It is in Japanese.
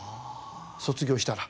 卒業したら。